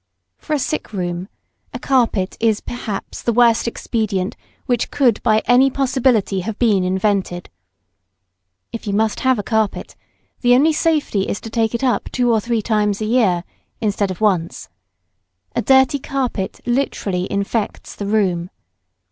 For a sick room, a carpet is perhaps the worst expedient which could by any possibility have been invented. If you must have a carpet, the only safety is to take it up two or three times a year, instead of once. A dirty carpet literally infects the room.